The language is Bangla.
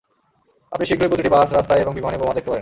আপনি শীঘ্রই প্রতিটি বাস, রাস্তায় এবং বিমানে বোমা দেখতে পাবেন।